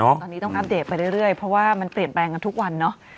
ตอนนี้ต้องอัปเดตไปเรื่อยเพราะว่ามันเปลี่ยนแปลงกันทุกวันเนอะ